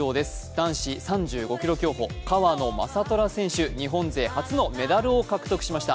男子３５ｋｍ競歩、川野将虎選手、日本勢初のメダル獲得をしました。